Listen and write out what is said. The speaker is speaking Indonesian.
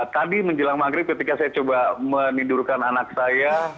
tadi menjelang maghrib ketika saya coba menidurkan anak saya